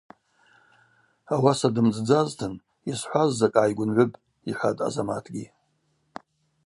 Ауаса дымдздзазтын – йсхӏваз закӏ гӏайгвынгӏвыпӏ, – йхӏватӏ Азаматгьи.